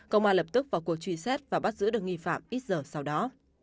công an lập tức vào cuộc truy xét và bắt giữ được nghi phạm ít giờ sau đó